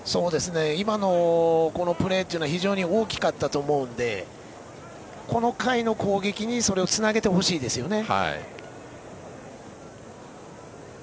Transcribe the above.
今のこのプレーは非常に大きかったと思うのでこの回の攻撃にそれをつなげてほしいですね。